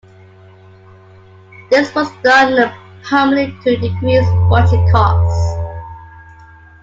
This was done primarily to decrease budget costs.